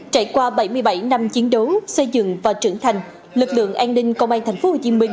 trải qua bảy mươi bảy năm chiến đấu xây dựng và trưởng thành lực lượng an ninh công an tp hcm